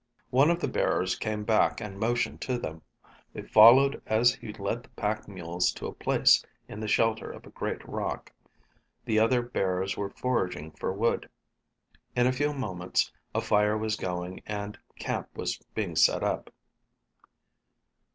One of the bearers came back and motioned to them. They followed as he led the pack mules to a place in the shelter of a great rock. The other bearers were foraging for wood. In a few moments a fire was going and camp was being set up.